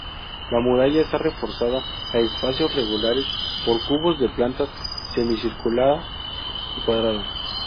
La muralla está reforzada a espacios regulares por cubos de plantas semicircular y cuadrada.